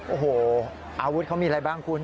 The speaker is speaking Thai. โอ้โหอาวุธเขามีอะไรบ้างคุณ